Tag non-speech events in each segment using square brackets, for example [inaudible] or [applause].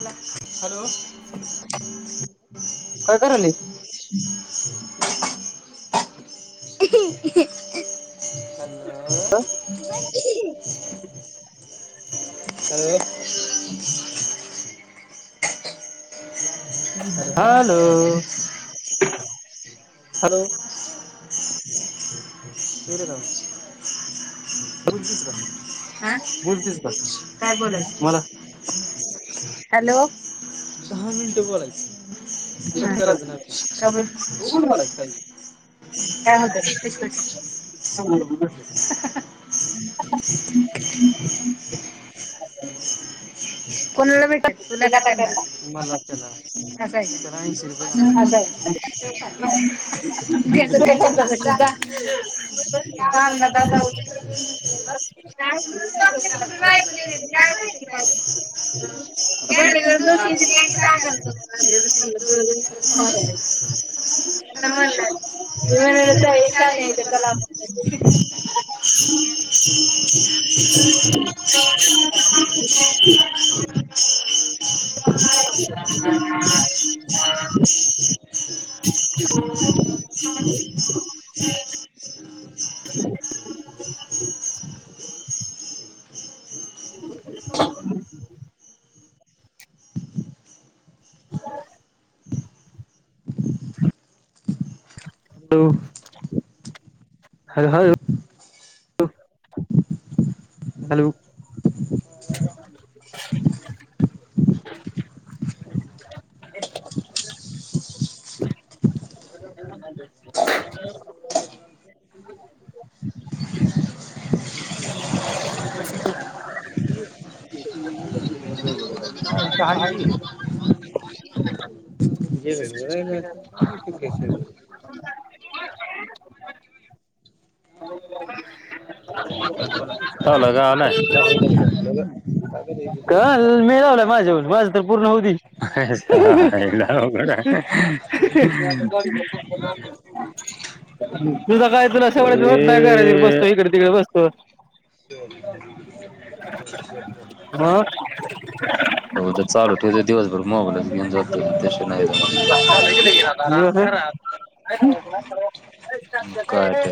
अ [inaudible] hello! काय कराली? [inaudible] ही ही ह hello [inaudible] hello. [inaudible] [unintelligible] Hello hello [inaudible] hello [inaudible] बोलतीस का? आ बोलतीस का काय बोलाय मला. हॅलो दहा मिनिट बोलाय कट करायचा नाही फोन का बर. [unintelligible] बोलायचं काय बी, काय होतंय, पैसे पडत्यात, शंभर रूपये भेटत्यात. [inaudible] कोणाला भेटत्यात तुला का त्यांना? मला तेला अस असं आहे य का. [inaudible] दे जा तुला त्यांच्यापाशी त्यांच्याकडे जा. काल ना दादा [inaudible] का माहिती काय [inaudible] सांगा [unintelligible] [unintelligible] हम्म [inaudible] [inaudible] [inaudible] [inaudible] [inaudible] [inaudible] [unintelligible] हॅलो हॅलो हॅलो ह [inaudible] [inaudible] [inaudible] [inaudible] [inaudible] [unintelligible] काय जी [inaudible] [unintelligible] काल मी लावलाय माझ्यावरन माज तर पूर्ण होवू दे ह ह हा आहेला अवघड हाय [inaudible] तुझं काय तुला सवड बी होत नाय घरात यून बसतोय इकड तिकड बस [inaudible] मग हो तर चालू ठेवते दिवसभर मोबाईल घेऊन जातो मी त्याशिवाय नाही जमणार [unintelligible] कायत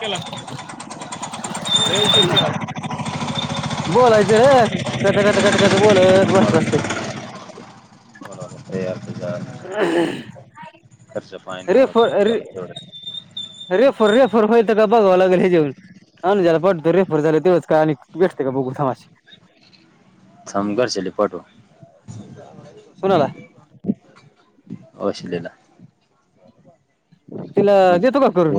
केला देेवचित्र बोलायचं रे कथ कथ कथ कच बोलला बसत असते. नमस् याझ हव खरच पाणी निघालत निघात एवढ रे फोर रे फोर होल का बघाव लागेल हे जेऊन हा ना ज्याला पडत रेफर झालं तेव्हाच का आणि भेटते का ब माशी समगरश ल पटू कोणाला? अशलेला. तिला देतो का करून?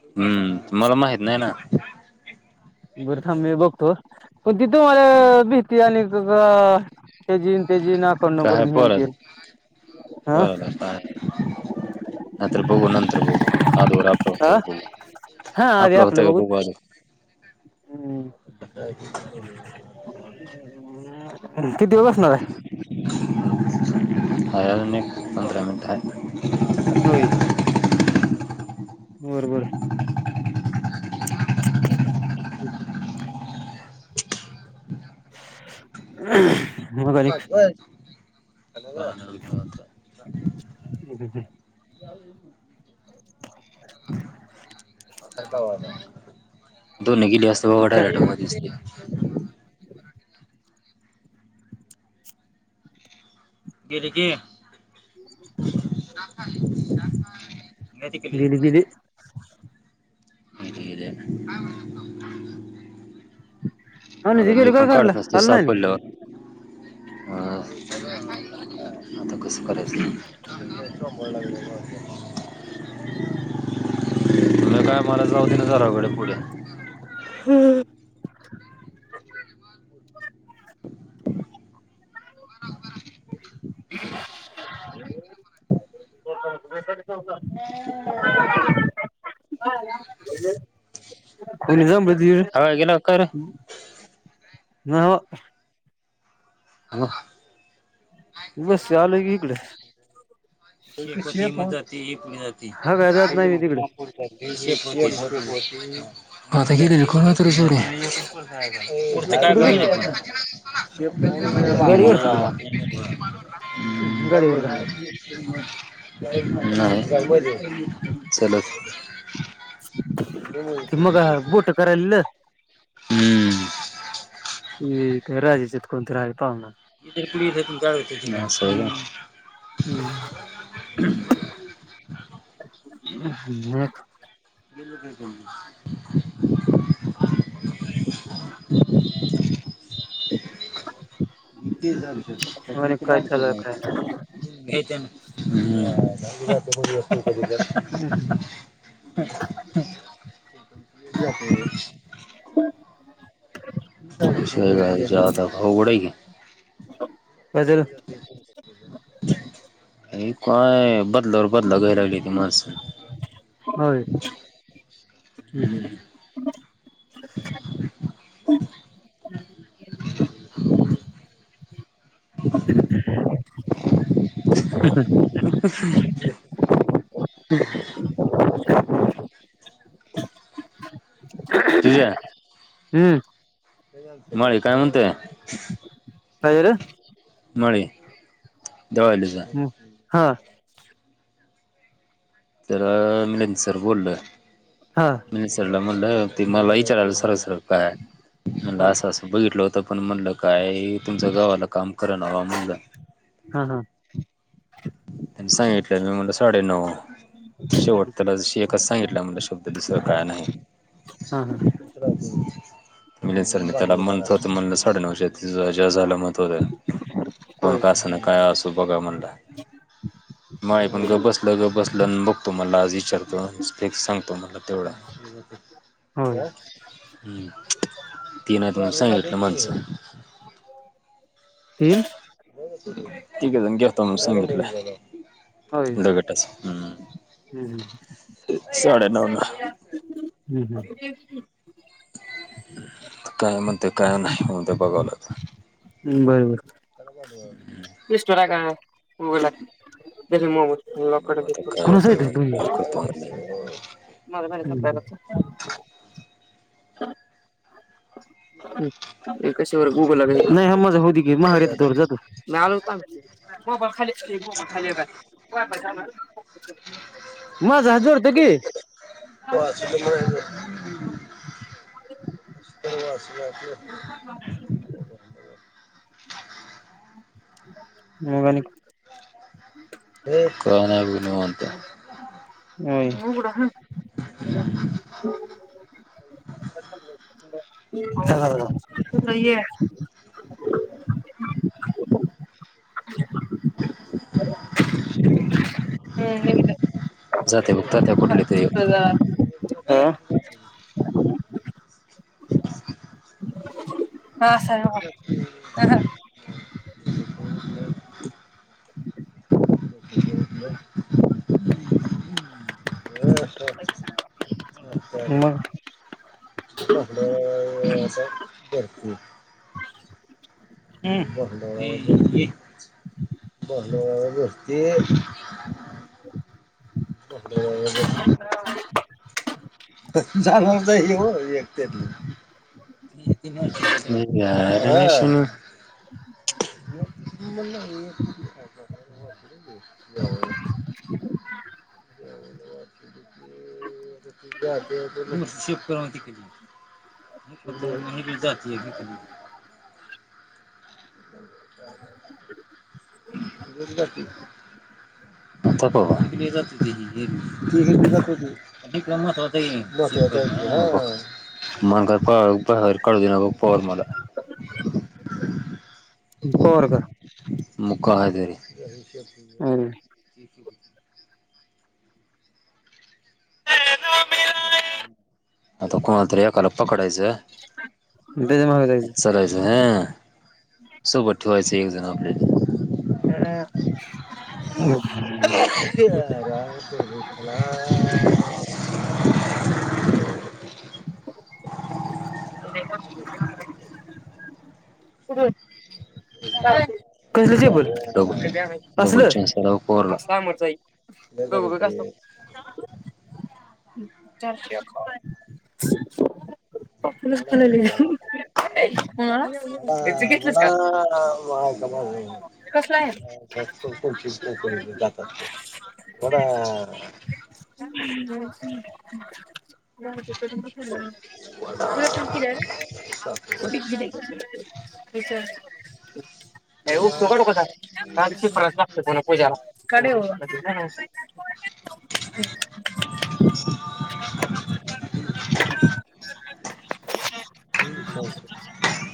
हम्म मला माहित नाही ना. बर थांब मी बघतो. पण तिथु म्हाला भीती आणि- तेजी इन तेज काय बर बर हा काय? आत्र बघू नंतर बघू अगोदर आपलं होतंय का बघू हा आधी आपलं होतंय का बघूत बघू आधी? [unintelligible] किती बसणार - अजून एक पंधरा मिनट हाय. होय. बरबर. हम् [inaudible] वा जा तो न केली जास्त बघ वाटालाड मसते गेली की. घ त केली गेली [inaudible] ह अन जी गरी काय घरला आल ना आता कसं करायचं? तुला काय मला लावते ना जराकडे पुढे. हम्म [inaudible] हो ह त जा ह गेला कर [inaudible] बस आलो की इकडे ह जाती जाती [inaudible] हा काय जात नाही मी तिकडे आता घर कोणत र जोर कुठे र गाडीवर शग हम् गाडीवर का गल नाही चल ते मग बोट करायलं हम्म ह ते राजी च्यात कोण तर आलाय पाहुनं [inaudible] हम् [unintelligible] गेल ग ग [inaudible] आणि काय चालू काय [inaudible] [unintelligible] हम् हम् [inaudible] [unintelligible] अवघड हाय की काय झालं एक काय बदला बदला घ्याय लागल्याती माणसं होय ब हम् [inaudible] ह तझ्या हम्म मळी काय म्हणते कायर मळी [unintelligible] झालं हा तररं.. मिलिंद सर बोलं हा मी सरला म्हणलं ते मला विचारायला सर सर काय म्हण हा असं असं बघितलं होत आता पण म्हणलं काय तुमच्या गावाला काम करा ना म्हणलं हा हा त्यां सांगितलेलं मी म्हणलं साडे नऊ हा शेवट त्याला ज एकच सांगितलं म्हणलं शब्द दुसरा काय नाही हा हा मी सर मी त्याला म्हणत होतो म्हणलं साडे नऊशे जास्त झालं कोण होय का असना काय असू बघा म्हणलं मग ऐकून ग बसल ग बसल अन म्हणलं आज विचारतो आणि फिक्स सांगतो म्हणला तेवढा होय हम्म ति नाही तुम्हाला सांगितलं ति ठीक आहे घेतो मग सांगितलं होय दघटाच हम्म हम्म साडे नऊ ना हम्म हम काय म्हणते काय नाही हो ते बघाव आता बरोबर [unintelligible] इस् वरग [unintelligible] होलास बघू आता काय होतं फोन करतो म्हणलं म [unintelligible] [inaudible] [unintelligible] ब कशावर गुगला नाही माझा हो घे महार येत जात हो होबा खालीच की होबा खाली [unintelligible] माझ हा जोड तो की हो हस्पटल च वा [unintelligible] हे काय नाही बग निवांत होय [unintelligible] [unintelligible] [unintelligible] जाते बघत त्या बघ कुठले तरी ह [inaudible] हा सर वा अहं [unintelligible] [unintelligible] मग [unintelligible] [unintelligible] हम् [unintelligible] जा [unintelligible] [unintelligible] [unintelligible] [unintelligible] [unintelligible] [unintelligible] [inaudible] [inaudible] [unintelligible] [unintelligible] महत्वाच आहे की नई मग कहर पहार काळू दिना पवर मला पवर का? [unintelligible] आता कोणाला तरी एकाला पकडायचं त्याच्या माग अच्छा [unintelligible] [unintelligible] हम. राम कृष्ण [inaudible] [unintelligible] [inaudible] कुठंय [inaudible] [inaudible] कसलं डबल चप्पल डबल असल चान्स आला पवारला [inaudible] दोघं बी घासताव [inaudible] [inaudible] ह मला मा [inaudible] [inaudible] वडा [unintelligible] प फुल क्लिअर च उपसोगडकताशी फ्रास लागत पुणा पूजाला कडे [unintelligible] [unintelligible] [inaudible]